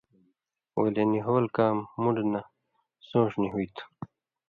ولے ”نی ہول“ کام مُن٘ڈہ نہ سُون٘ݜ نی ہُوئ تُھو۔